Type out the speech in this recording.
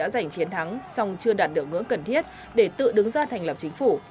giành chiến thắng xong chưa đạt được ngưỡng cần thiết để tự đứng ra thành lập chính phủ